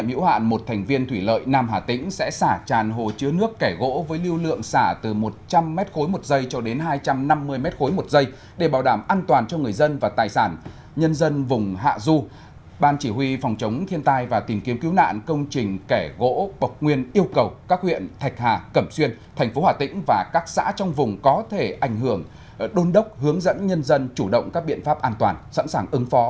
mưa lớn diện rộng khiến nước đổ về các hồ đập ở hà tĩnh tăng nhanh để bảo đảm an toàn cho công trình ban chỉ huy phòng chống thiên tai và tìm kiếm cứu nạn công trình hồ kẻ gỗ bọc nguyên quyết định sả tràn hồ chứa nước kẻ gỗ vào lúc một mươi ba h ngày hôm nay một mươi tám tháng một mươi và sẽ căn cứ vào diễn biến thời tiết mực nước hồ kẻ gỗ vào lúc một mươi ba h ngày hôm nay một mươi tám tháng một mươi và sẽ căn cứ vào diễn biến thời tiết mực nước hồ kẻ gỗ vào lúc một mươi ba h ngày hôm nay